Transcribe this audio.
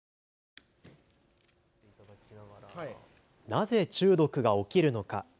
なぜ中毒が起きるのか。